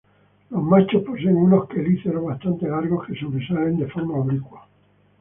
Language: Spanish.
Los machos poseen unos quelíceros bastante largos que sobresalen de forma oblicua.